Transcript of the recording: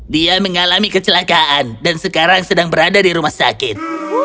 dia mengalami kecelakaan dan sekarang sedang berada di rumah sakit